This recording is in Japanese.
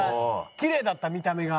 きれいだった見た目が。